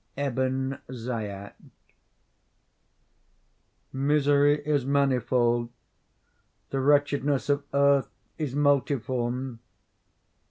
—Ebn Zaiat. Misery is manifold. The wretchedness of earth is multiform.